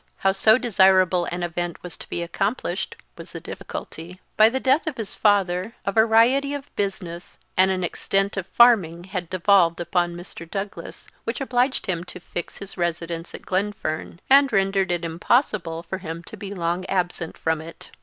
_ How so desirable an event was to be accomplished was the difficulty. By the death of his father a variety of business and an extent of farming had devolved upon Mr. Douglas which obliged him to fix his residence at Glenfern, and rendered it impossible for him to be long absent from it.